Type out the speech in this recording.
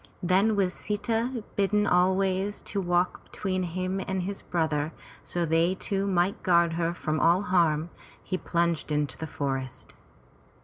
Then with Sita bidden always to walk between him and his brother, that they two might guard her from all harm, he plunged into the forest.